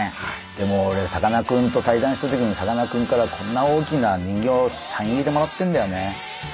でもオレさかなクンと対談したときにさかなクンからこんな大きな人形サイン入りでもらってんだよね。